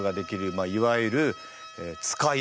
まあいわゆる使いですね。